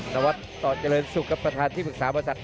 นวัดตอดเจริญสุขครับประธานที่ฝึกษาบรรทัศน์